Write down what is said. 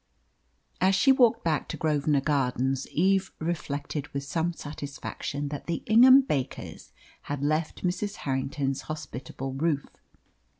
As she walked back to Grosvenor Gardens, Eve reflected with some satisfaction that the Ingham Bakers had left Mrs. Harrington's hospitable roof.